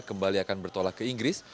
kembali akan bertolak ke inggris